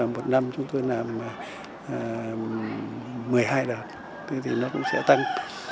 một năm chúng tôi làm một mươi hai đợt thì nó cũng sẽ tăng